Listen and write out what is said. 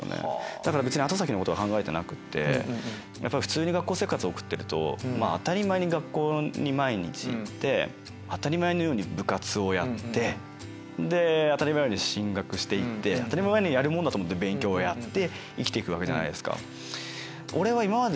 だから別に後先のことは考えてなくってやっぱり普通に学校生活を送ってると当たり前に学校に毎日行って当たり前のように部活をやってで当たり前のように進学して行って当たり前にやるもんだと思って勉強をやって生きて行くわけじゃないですか。